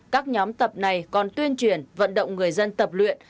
các nhóm tập này còn tuyên truyền vận động người dân tập luyện